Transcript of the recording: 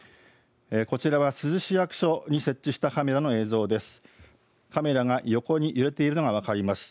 こちらは珠洲市役所に設置したカメラの映像です。